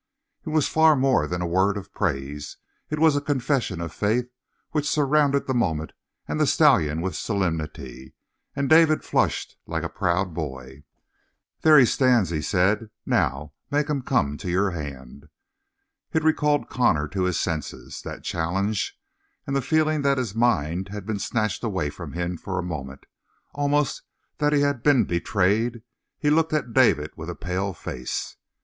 It was far more than a word of praise; it was a confession of faith which surrounded the moment and the stallion with solemnity, and David flushed like a proud boy. "There he stands," he said. "Now make him come to your hand." It recalled Connor to his senses, that challenge, and feeling that his mind had been snatched away from him for a moment, almost that he had been betrayed, he looked at David with a pale face.